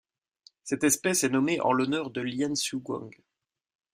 Cette espèce est nommée en l'honneur de Lian-su Gong.